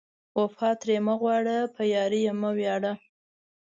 وفا ترې مه غواړه، په یارۍ یې مه ویاړه